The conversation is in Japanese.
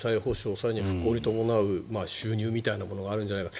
それから復興に伴う収入みたいなものがあるんじゃないか。